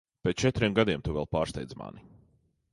Pēc četriem gadiem tu vēl pārsteidz mani.